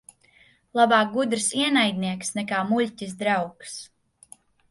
Labāk gudrs ienaidnieks nekā muļķis draugs.